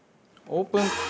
オープン。